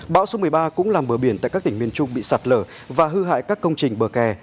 bão số một mươi ba cũng làm bờ biển tại các tỉnh miền trung bị sạt lở và hư hại các công trình bờ kè